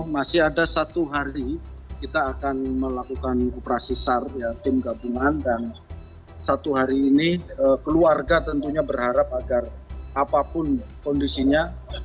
masih ada satu hari kita akan melakukan operasi sar tim gabungan dan satu hari ini keluarga tentunya berharap agar apapun kondisinya